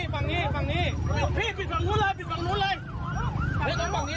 ผ่านบนให้เลยฝั่งนี้